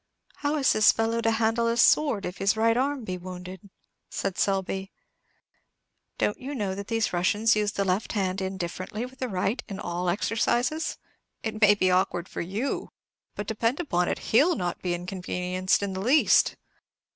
"How is this fellow to handle a sword, if his right arm be wounded?" said Selby. "Don't you know that these Russians use the left hand indifferently with the right, in all exercises? It may be awkward for you; but, depend upon it, he'll not be inconvenienced in the least."